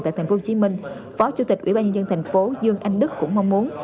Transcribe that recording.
tại tp hcm phó chủ tịch ủy ban nhân dân tp hcm dương anh đức cũng mong muốn